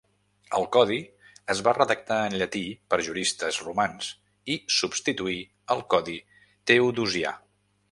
El Codi es va redactar en llatí per juristes romans i substituí al Codi Teodosià.